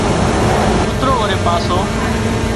ڪوترو وري پاسو